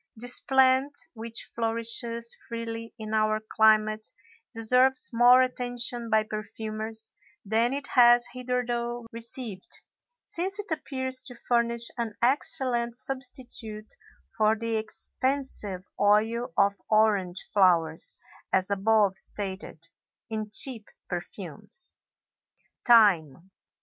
This plant which flourishes freely in our climate deserves more attention by perfumers than it has hitherto received, since it appears to furnish an excellent substitute for the expensive oil of orange flowers, as above stated, in cheap perfumes. THYME.